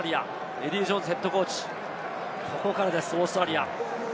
エディー・ジョーンズＨＣ、ここからです、オーストラリア。